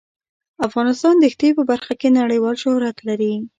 افغانستان د ښتې په برخه کې نړیوال شهرت لري.